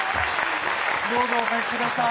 どうぞおかけください